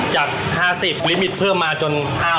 จาก๕๐๐๐๐ลิมิตเพิ่มจน๕๐๐๐๐๐